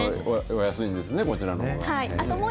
安いんですね、こちらのほうが。